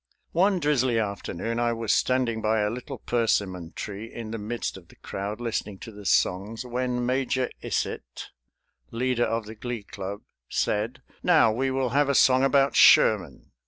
One drizzly afternoon I was standing by a little persimmon tree in the midst of the crowd listening to the songs, when Major Isett, leader of the Glee Club, said: "Now we will have a song about Sherman."